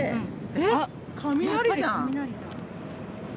あっ、雷じゃん。